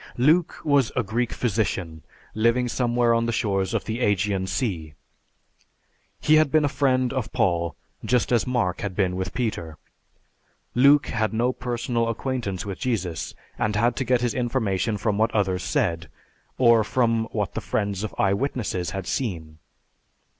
Luke was a Greek physician living somewhere on the shores of the Ægean Sea. He had been a friend of Paul, just as Mark had been with Peter. Luke had no personal acquaintance with Jesus and had to get his information from what others said, or from what the friends of "eye witnesses" had seen.